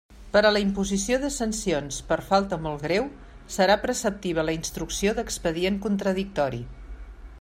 Per a la imposició de sancions per falta molt greu serà preceptiva la instrucció d'expedient contradictori.